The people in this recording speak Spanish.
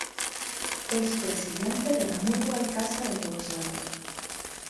Es presidente de la Mutual Casa del Boxeador.